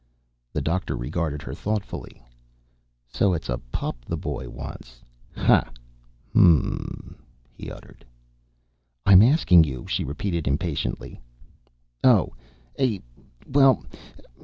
The doctor regarded her thoughtfully. "So it's a pup the boy wants. Ha, hum!" he uttered. "I'm asking you," she repeated impatiently. "Oh! Eh! Well!